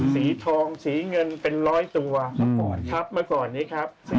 สีทองสีเงินเป็นร้อยตัวเมื่อก่อนนี้ครับ